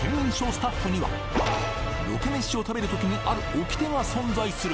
スタッフにはロケ飯を食べる時にある掟が存在する。